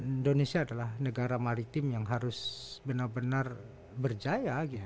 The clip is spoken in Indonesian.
indonesia adalah negara maritim yang harus benar benar berjaya